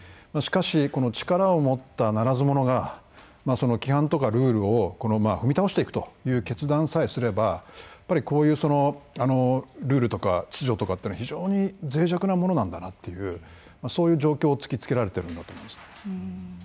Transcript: しかしこの力を持ったならず者が規範とかルールを踏み倒していくという決断さえすればこういうルールとか秩序とかというのは非常にぜい弱なものだなというそういう状況を突きつけられているんだと思います。